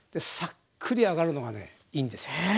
さっくり揚がるのがねいいんですよ。